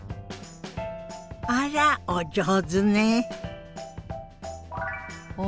あらお上手ね。